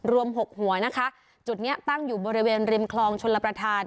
หกหัวนะคะจุดนี้ตั้งอยู่บริเวณริมคลองชลประธาน